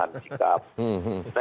lalu sepertinya ada perubahan sikap